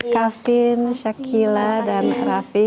kavin shakila dan raffi